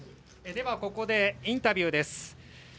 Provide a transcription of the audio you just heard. ではここで、インタビューです。